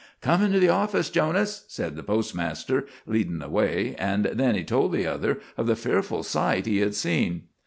"Come into the office, Jonas," said the postmaster, leading the way; and then he told the other of the fearful sight he had seen.